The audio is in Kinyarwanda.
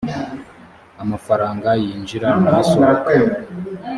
amafaranga yinjira n asohoka